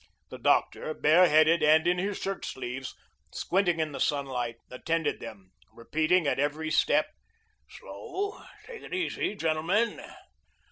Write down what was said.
The doctor, bareheaded and in his shirt sleeves, squinting in the sunlight, attended them, repeating at every step: "Slow, slow, take it easy, gentlemen."